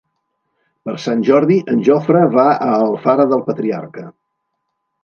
Per Sant Jordi en Jofre va a Alfara del Patriarca.